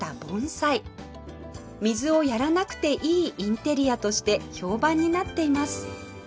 水をやらなくていいインテリアとして評判になっています